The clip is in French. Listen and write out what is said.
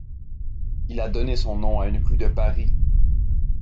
Il a donné son nom à une rue de Paris.